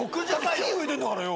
木植えてんだからよ。